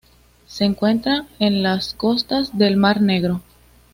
Se encuentra en las costas del Mar Negro.